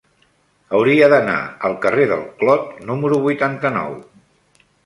Hauria d'anar al carrer del Clot número vuitanta-nou.